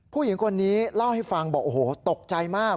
ผู้หญิงคนนี้เล่าให้ฟังบอกโอ้โหตกใจมาก